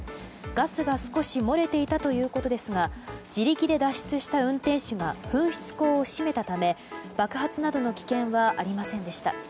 ガスが少し漏れていたということですが自力で脱出した運転手が噴出口を閉めたため爆発などの危険はありませんでした。